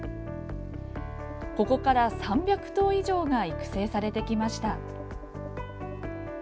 ここから３００頭以上が育成されてきました。